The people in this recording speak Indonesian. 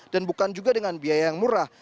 dan bukan juga dengan biaya yang murah